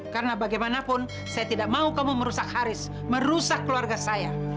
karena bagaimanapun saya tidak mau kamu merusak haris merusak keluarga saya